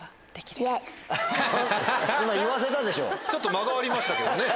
ちょっと間がありましたけど。